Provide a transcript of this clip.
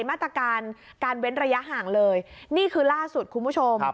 มาตรการการเว้นระยะห่างเลยนี่คือล่าสุดคุณผู้ชม